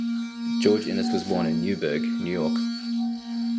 George Inness was born in Newburgh, New York.